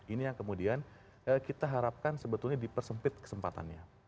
ini yang kemudian kita harapkan sebetulnya dipersempit kesempatannya